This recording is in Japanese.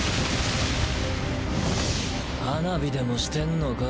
花火でもしてんのか？